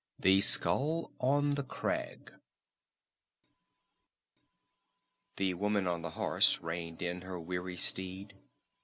The Skull on the Crag_ The woman on the horse reined in her weary steed.